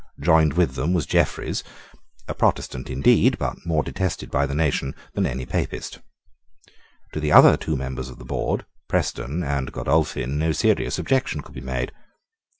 Joined with them was Jeffreys, a Protestant indeed, but more detested by the nation than any Papist. To the other two members of this board, Preston and Godolphin, no serious objection could be made.